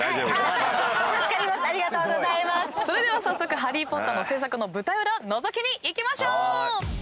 早速『ハリー・ポッター』の制作の舞台裏のぞきに行きましょう！